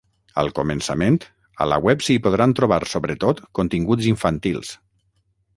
Al començament, a la web s’hi podran trobar sobretot continguts infantils.